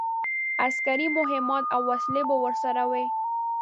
عسکري مهمات او وسلې به ورسره وي.